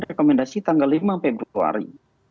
rekomendasi tanggal lima februari